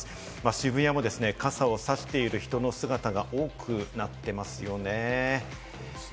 渋谷も傘をさしている人の姿が多くなっていますよね。